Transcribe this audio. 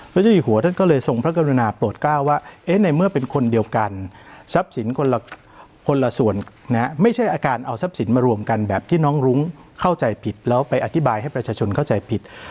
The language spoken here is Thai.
เจ้าอยู่หัวท่านก็เลยทรงพระกรุณาโปรดก้าวว่าในเมื่อเป็นคนเดียวกันทรัพย์สินคนละส่วนไม่ใช่อาการเอาทรัพย์สินมารวมกันแบบที่น้องรุ้งเข้าใจผิดแล้วไปอธิบายให้ประชาชนเข้าใจผิด